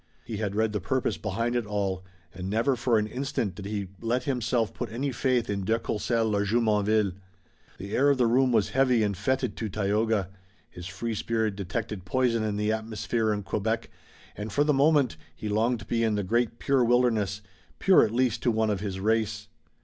He had read the purpose behind it all, and never for an instant did he let himself put any faith in de Courcelles or Jumonville. The air of the room was heavy and fetid to Tayoga. His free spirit detected poison in the atmosphere of Quebec, and, for the moment, he longed to be in the great, pure wilderness, pure at least to one of his race.